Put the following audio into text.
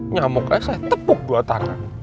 nyamuk aja saya tepuk dua tangan